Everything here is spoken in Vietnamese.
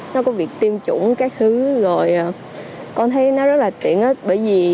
nó có việc tiêm chủng các thứ rồi con thấy nó rất là tiện ích bởi vì